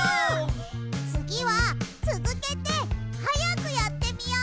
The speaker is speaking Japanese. つぎはつづけてはやくやってみよ！